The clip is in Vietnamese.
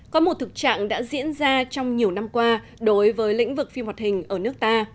có một thực trạng đã diễn ra trong nhiều năm qua đối với lĩnh vực phim hoạt hình ở nước ta